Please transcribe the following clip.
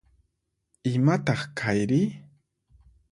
Imataq kayri?